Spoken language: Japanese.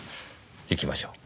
行きましょう。